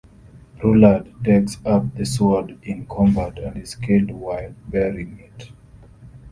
Rhulad takes up the sword in combat and is killed while bearing it.